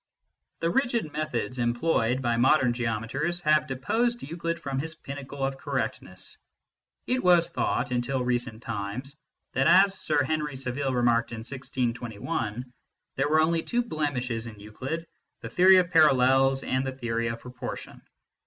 The rigid methods employed by modern geometers have deposed Euclid from his pinnacle of correctness. It was thought, until recent times, that, as Sir Henry Savile remarked in 1621, there were only two blemishes in Euclid, the theory of parallels and the theory of pro portion.